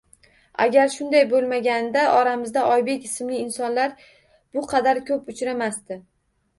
Agar shunday bo`lmaganida oramizda Oybek ismli insonlar bu qadar ko`p uchramasdi